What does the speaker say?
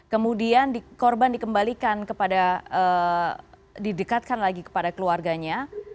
kemudian korban dikembalikan kepada didekatkan lagi kepada keluarganya